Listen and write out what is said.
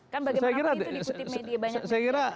kan bagaimana itu dikutip media banyak media